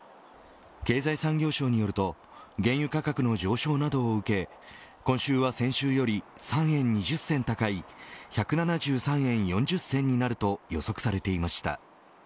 経済産業省によると原油価格の上昇などを受け今週は先週より３円２０銭高い１７３円４０銭になると予測されていました。